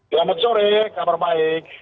selamat sore kabar baik